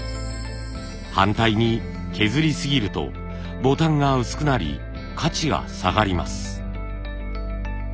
反対に削りすぎるとボタンが薄くなり価値が下がります。